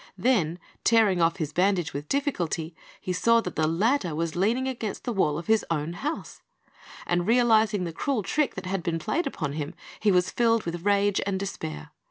Then, tearing off his bandage with difficulty, he saw that the ladder was leaning against the wall of his own house; and realising the cruel trick that had been played upon him, he was filled with rage and despair.